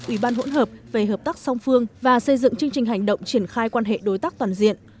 ủy ban hỗn hợp về hợp tác song phương và xây dựng chương trình hành động triển khai quan hệ đối tác toàn diện